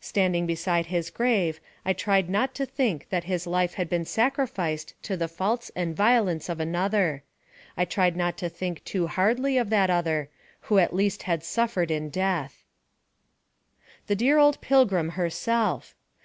Standing beside his grave, I tried not to think that his life had been sacrificed to the faults and violence of another; I tried not to think too hardly of that other, who at least had suffered in death. The dear old Pilgrim herself!